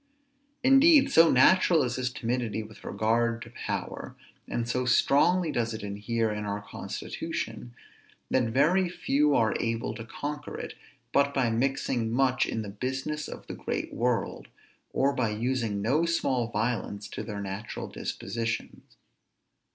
_ Indeed so natural is this timidity with regard to power, and so strongly does it inhere in our constitution, that very few are able to conquer it, but by mixing much in the business of the great world, or by using no small violence to their natural dispositions.